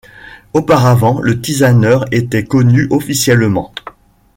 Auparavant, le tisaneur était connu officieusement.